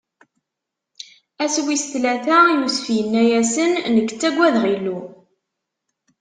Ass wis tlata, Yusef inna-asen: Nekk ttagadeɣ Illu.